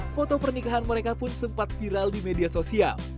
foto pernikahan mereka pun sempat viral di media sosial